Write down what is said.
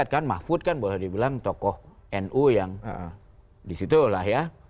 dan mahfud kan boleh dibilang tokoh nu yang di situ lah ya